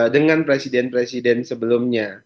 dengan presiden presiden sebelumnya